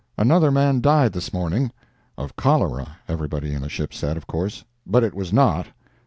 Another man died this morning—of cholera, everybody in the ship said, of course—but it was not.